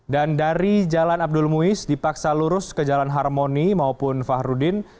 dari jalan abdul muiz dipaksa lurus ke jalan harmoni maupun fahrudin